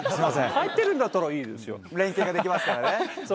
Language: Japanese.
入ってるんだったらいいですよ、連係ができますからね。